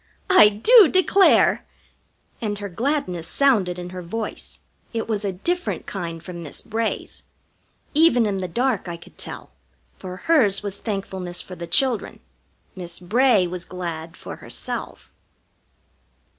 I do declare!" And her gladness sounded in her voice. It was a different kind from Miss Bray's. Even in the dark I could tell, for hers was thankfulness for the children. Miss Bray was glad for herself.